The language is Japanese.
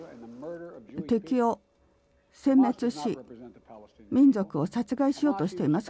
敵をせん滅し民族を殺害しようとしています。